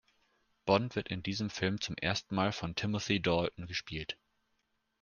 Bond wird in diesem Film zum ersten Mal von Timothy Dalton gespielt.